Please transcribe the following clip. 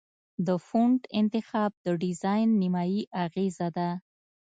د فونټ انتخاب د ډیزاین نیمایي اغېزه ده.